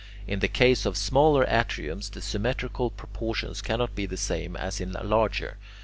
In the case of smaller atriums, the symmetrical proportions cannot be the same as in larger.